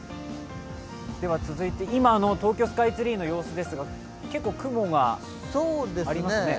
続いて、今の東京スカイツリーの様子ですけど結構雲がありますね。